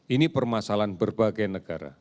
ini permasalahan berbagai negara